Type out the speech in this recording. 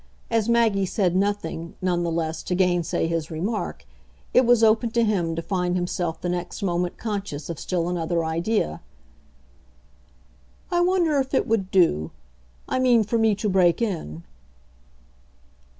As Maggie said nothing, none the less, to gainsay his remark, it was open to him to find himself the next moment conscious of still another idea. "I wonder if it would do. I mean for me to break in."